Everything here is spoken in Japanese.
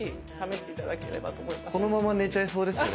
このまま寝ちゃいそうですよね。